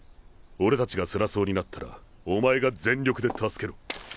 俺たちがつらそうになったらお前が全力で助けろ。